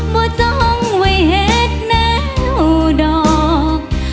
บ่จ้องไว้เห็นแนวดอก